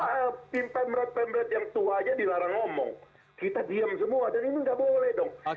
dan ini tidak boleh dong